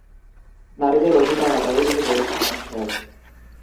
নারীদের অধিকার আদায়ে তিনি বলিষ্ঠ কন্ঠস্বর।